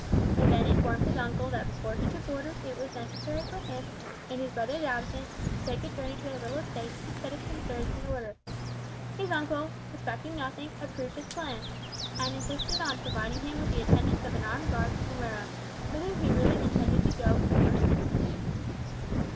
He then informed his uncle that before he took Orders it would be necessary for him, in his brother's absence, to take a journey to their little estate, and set its concerns in order. His uncle, suspecting nothing, approved his plan, and insisted on providing him with the attendance of an armed guard to Nuera, whither he really intended to go in the first instance.